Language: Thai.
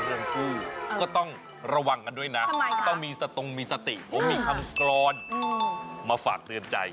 เรื่องกู้ก็ต้องระวังกันด้วยนะต้องมีสตงมีสติผมมีคำกรอนมาฝากเตือนใจ